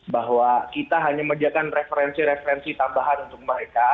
bahwa kita hanya menyediakan referensi referensi tambahan untuk mereka